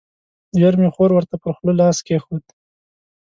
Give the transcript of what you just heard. ژر مې خور ورته پر خوله لاس کېښود.